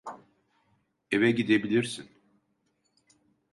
Eve gidebilirsin.